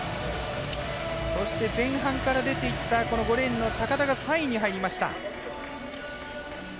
そして前半から出ていった５レーンの高田が３位に入りました。